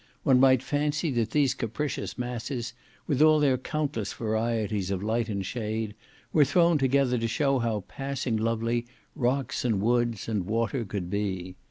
One might fancy that these capricious masses, with all their countless varieties of light and shade, were thrown together to show how passing lovely rocks and woods, and water could be.